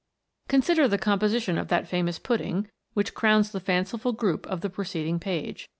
Consider the composition of that famous pudding which crowns the fanciful group on the preceding page.